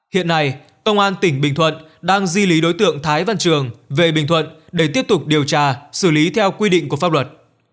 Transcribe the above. hiện nay công an tỉnh bình thuận đang di lý đối tượng thái văn trường về bình thuận để tiếp tục điều tra xử lý theo quy định của pháp luật